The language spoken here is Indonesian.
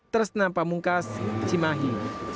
terus nampak mungkas cimahi